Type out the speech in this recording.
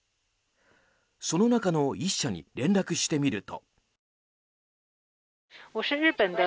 その中の１社に連絡してみると。